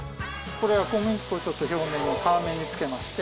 これは小麦粉ちょっと表面に皮面につけまして。